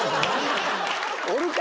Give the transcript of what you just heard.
おるか！